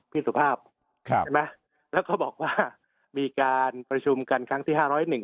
สุภาพครับใช่ไหมแล้วก็บอกว่ามีการประชุมกันครั้งที่ห้าร้อยหนึ่ง